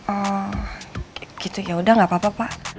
ehm gitu yaudah gak apa apa pak